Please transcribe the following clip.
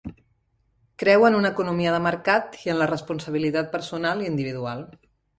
Creu en una economia de mercat i en la responsabilitat personal individual.